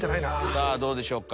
さぁどうでしょうか？